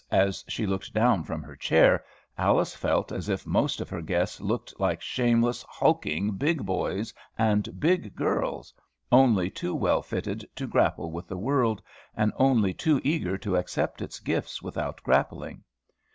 as she looked down from her chair, Alice felt as if most of her guests looked like shameless, hulking big boys and big girls, only too well fitted to grapple with the world, and only too eager to accept its gifts without grappling.